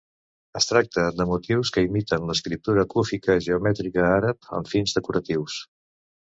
Es tracta de motius que imiten l’escriptura cúfica geomètrica àrab amb fins decoratius.